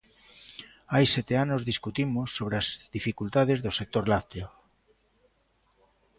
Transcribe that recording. Hai sete anos discutimos sobre as dificultades do sector lácteo.